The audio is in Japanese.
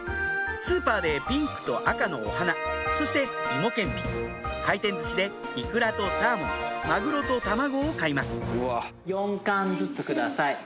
スーパーでピンクと赤のお花そして芋けんぴ回転ずしでイクラとサーモンマグロと卵を買います